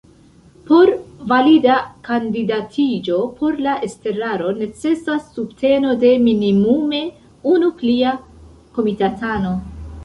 Por valida kandidatiĝo por la estraro necesas subteno de minimume unu plia komitatano.